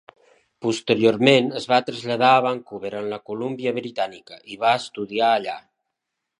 Posteriorment, es va traslladar a Vancouver, en la Columbia Britànica, i va estudiar allà.